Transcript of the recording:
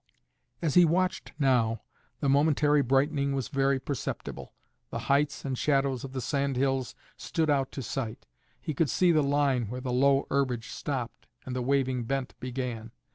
As he watched now, the momentary brightening was very perceptible. The heights and shadows of the sand hills stood out to sight; he could see the line where the low herbage stopped and the waving bent began.